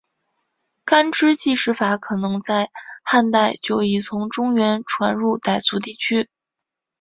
干支纪时法可能在汉代就已从中原传入傣族地区。